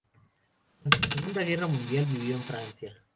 Durante la Segunda guerra mundial, vivió en Francia.